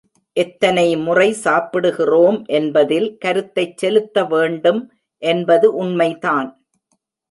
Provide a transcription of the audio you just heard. எத்தனைமுறை சாப்பிடுகிறோம் என்பதில் கருத்தைச் செலுத்த வேண்டும் என்பது உண்மைதான்.